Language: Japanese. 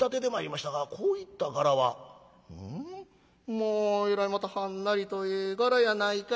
まあえらいまたはんなりとええ柄やないかいな。